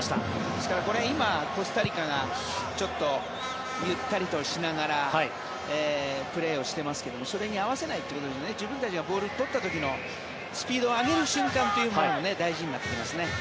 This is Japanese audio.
ですからこれ今、コスタリカがちょっとゆったりとしながらプレーをしてますがそれに合わせないということで自分たちがボールを取った時のスピードを上げる瞬間というのも大事になってきますね。